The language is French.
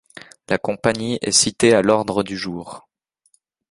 La compagnie est citée à l'ordre du jour.